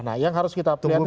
nah yang harus kita perhatikan